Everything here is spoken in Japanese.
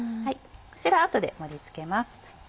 こちら後で盛り付けます。